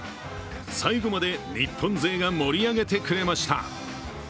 最後まで日本勢が盛り上げてくれました。